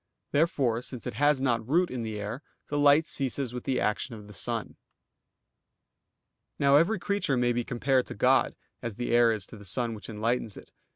Therefore, since it has not root in the air, the light ceases with the action of the sun. Now every creature may be compared to God, as the air is to the sun which enlightens it.